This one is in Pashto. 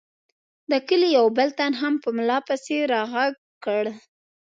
د کلي یو بل تن هم په ملا پسې را غږ کړل.